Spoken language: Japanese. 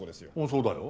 そうだよ。